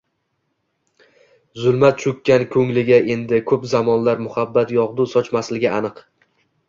Zulmat cho`kkan ko`ngliga endi ko`p zamonlar muhabbat yog`du sochmasligi aniq